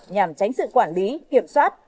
nhằm tránh sự quản lý kiểm soát